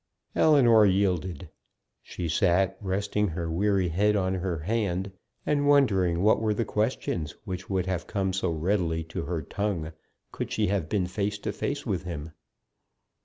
Ellinor yielded. She sat, resting her weary head on her hand, and wondering what were the questions which would have come so readily to her tongue could she have been face to face with him.